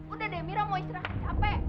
udah deh mirah mau istirahat dapet